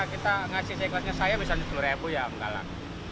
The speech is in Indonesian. saya misalnya sepuluh ya enggak lah